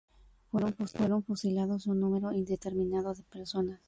Fueron fusilados un número indeterminado de personas.